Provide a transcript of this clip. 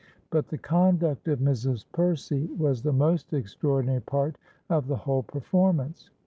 But the conduct of Mrs. Percy was the most extraordinary part of the whole performance.